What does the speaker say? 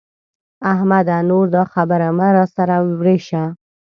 احمده! نور دا خبره مه را سره ورېشه.